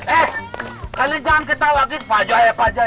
eh kalian jangan ketawa pak jaya